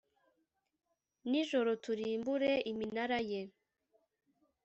nijoro turimbure iminara ye